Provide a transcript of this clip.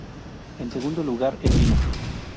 En segundo lugar el vino.